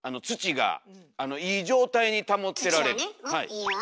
いいよ。